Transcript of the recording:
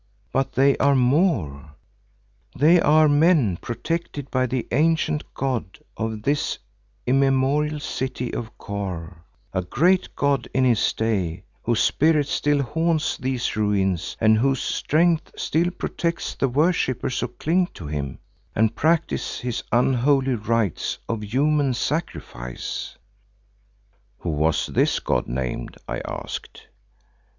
But they are more; they are men protected by the ancient god of this immemorial city of Kôr, a great god in his day whose spirit still haunts these ruins and whose strength still protects the worshippers who cling to him and practise his unholy rites of human sacrifice." "How was this god named?" I asked.